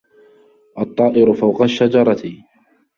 الطَّائِرُ فَوْقَ الشَّجَرَةِ.